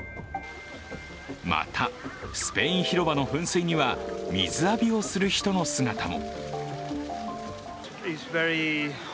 また、スペイン広場の噴水には水浴びをする人の姿も。